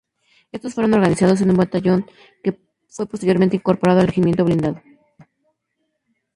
Estos fueron organizados en un batallón que fue posteriormente incorporado al "Regimiento Blindado".